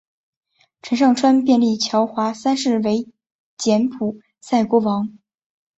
陈上川便立乔华三世为柬埔寨国王。